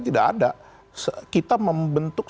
tidak ada kita membentuk